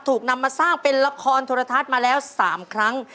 ถูกนำมาสร้างเป็นละครโทรทัศน์มาแล้ว๓ครั้ง